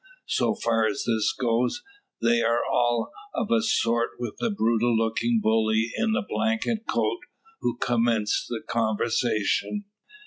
So far as this goes, they are all of a sort with the brutal looking bully in the blanket coat who commenced the conversation.